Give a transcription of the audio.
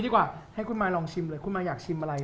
ดีกว่าให้คุณมายลองชิมเลยคุณมายอยากชิมอะไร